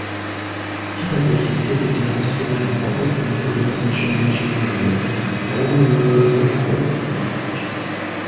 kibadde ekiseera ekya basiraamu okwefumiitiriza ku nsonga z'omwoyo awamu n'obulamu bwabwe obwabulijjo